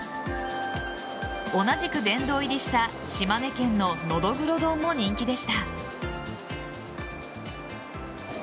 同じく殿堂入りした島根県ののどぐろ丼も人気でした。